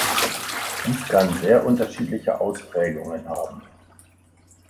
Dies kann sehr unterschiedliche Ausprägungen haben.